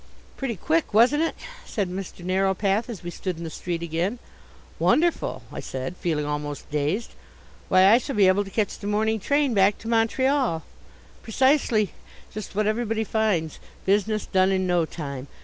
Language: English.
"Pretty quick, wasn't it?" said Mr. Narrowpath, as we stood in the street again. "Wonderful!" I said, feeling almost dazed. "Why, I shall be able to catch the morning train back again to Montreal " "Precisely. Just what everybody finds. Business done in no time.